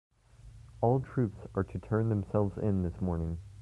All troops are to turn themselves in this morning.